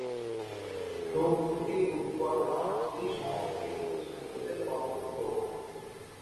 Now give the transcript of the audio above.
শোক থেকে উৎপন্ন এই সংস্কৃত সাহিত্যের প্রথম শ্লোক।